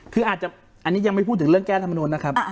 คืออันนี้ยังไม่พูดถึงการแก้ธรรมนวณนะครับ